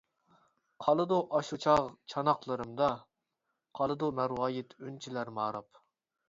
قالىدۇ ئاشۇ چاغ چاناقلىرىمدا، قالىدۇ مەرۋايىت ئۈنچىلەر ماراپ.